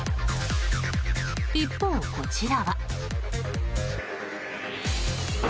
一方、こちらは。